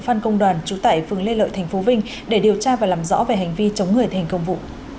phan công đoàn chủ tải phương lê lợi tp vinh để điều tra và làm rõ về hành vi chống người thành công vụ